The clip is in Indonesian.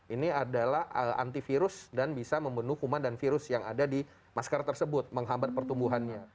ini adalah antivirus dan bisa membunuh kuman dan virus yang ada di masker tersebut menghambat pertumbuhannya